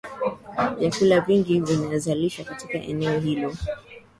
vyakula vingi vinazalishwa katika eneo hilo